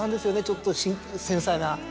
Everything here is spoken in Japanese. ちょっと繊細な。